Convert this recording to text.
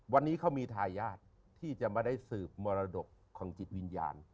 วันนี้เขามีทายาทที่จะมาได้สืบมรดกของจิตวิญญาณ